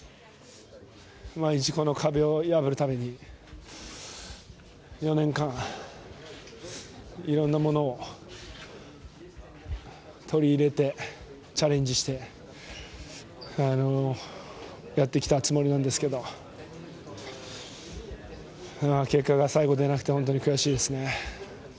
毎日この壁を破るために、４年間、いろいろなものを取り入れてチャレンジして、やってきたつもりなんですけど、結果が最後出なくて、本当に悔しいですね。